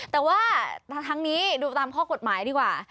แต่ว่าทั้งนี้ดูตามข้อกฎหมายดีกว่า